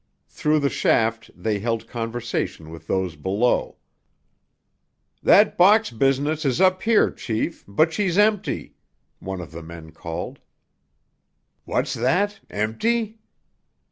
Through the shaft they held conversation with those below. "That box business is up here, chief, but she's empty," one of the men called. "What's that—empty?"